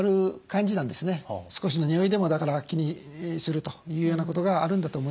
少しのにおいでも気にするというようなことがあるんだと思います。